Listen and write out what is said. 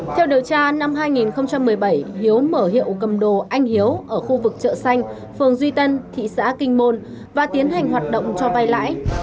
theo điều tra năm hai nghìn một mươi bảy hiếu mở hiệu cầm đồ anh hiếu ở khu vực chợ xanh phường duy tân thị xã kinh môn và tiến hành hoạt động cho vay lãi